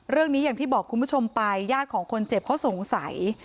อย่างที่บอกคุณผู้ชมไปญาติของคนเจ็บเขาสงสัย